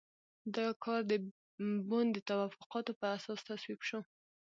دا کار د بن د توافقاتو په اساس تصویب شو.